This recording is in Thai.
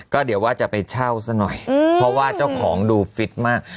ก็เดี๋ยวว่าจะไปเช่าซะหน่อยเพราะว่าเจ้าของดูฟิตมาก